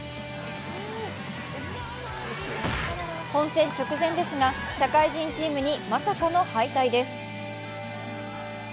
本戦直前ですが、社会人チームにまさかの敗退です。